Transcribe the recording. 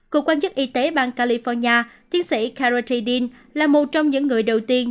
cục quan chức y tế bang california tiến sĩ cara t dean là một trong những người đầu tiên